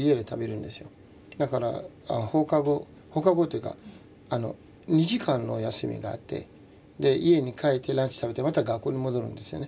だから放課後放課後っていうか２時間の休みがあって家に帰ってランチ食べてまた学校に戻るんですよね。